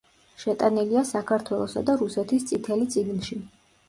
შეტანილია საქართველოსა და რუსეთის წითელი წიგნში.